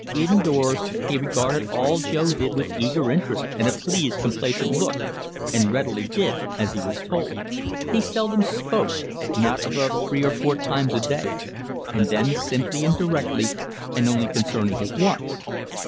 Indoors he regarded all Jo did with eager interest and a pleased, complacent look, and readily did as he was told. He seldom spoke not above three or four times a day, and then simply and directly, and only concerning his wants.